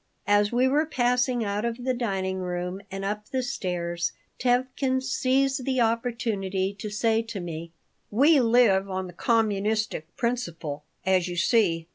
As we were passing out of the dining room and up the stairs Tevkin seized the opportunity to say to me: "We live on the communistic principle, as you see.